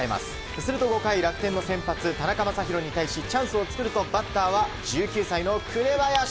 すると５回楽天の先発、田中将大に対しチャンスを作るとバッターは１９歳の紅林。